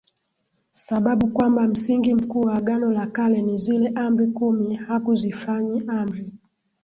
Sababu kwamba Msingi Mkuu wa Agano la kale ni zile Amri kumi hakuzifanyi amri